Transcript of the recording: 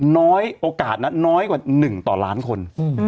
น้อยโอกาสนั้นน้อยกว่า๑ต่อล้านคน